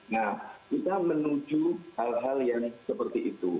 nah kita menuju hal hal yang seperti itu